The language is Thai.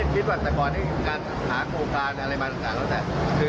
ท่านนายกครับกลับไปโครงการคนละครึ่งอีกหนึ่งคือ